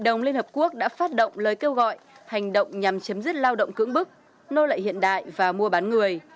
hội đồng liên hợp quốc đã phát động lời kêu gọi hành động nhằm chấm dứt lao động cưỡng bức nô lệ hiện đại và mua bán người